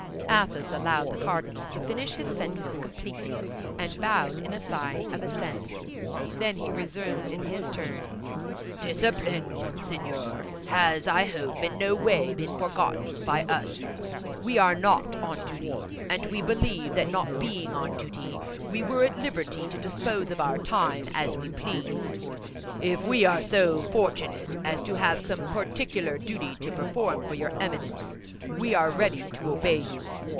Athos allowed the cardinal to finish his sentence completely, and bowed in sign of assent. Then he resumed in his turn: "Discipline, Monseigneur, has, I hope, in no way been forgotten by us. We are not on duty, and we believed that not being on duty we were at liberty to dispose of our time as we pleased. If we are so fortunate as to have some particular duty to perform for your Eminence, we are ready to obey you.